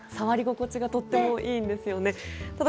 触り心地がとってもいいんですよね。